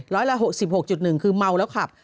ร้อยละ๖๖๑คือเมาแล้วขับ